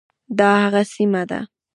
دا هغه سیمه ده.